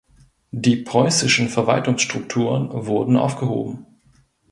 Die preußischen Verwaltungsstrukturen wurden aufgehoben.